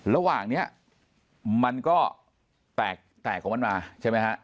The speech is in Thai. ระหว่างนี้มันก็แตกของมันมาใช่ไหมฮะ